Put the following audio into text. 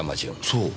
そう！